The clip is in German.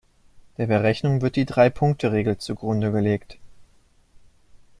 Der Berechnung wird die Drei-Punkte-Regel zugrunde gelegt.